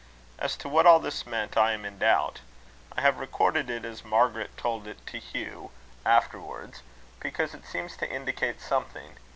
As to what all this meant, I am in doubt. I have recorded it as Margaret told it to Hugh afterwards because it seems to indicate something.